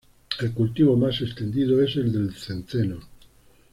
El cultivo más extendido es el del centeno.